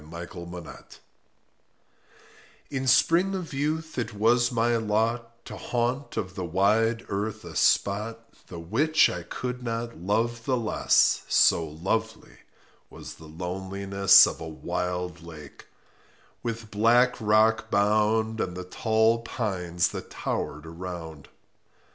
THE LAKE —— TO—— In spring of youth it was my lot To haunt of the wide earth a spot The which I could not love the less— So lovely was the loneliness Of a wild lake, with black rock bound, And the tall pines that tower'd around.